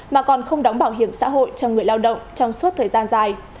mà còn không đóng bảo hiểm xã hội cho người lao động trong suốt thời gian dài